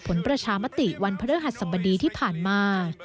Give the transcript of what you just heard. ผลประชามติวันพระธรรมดีที่ผ่านมา